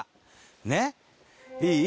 ねっいい？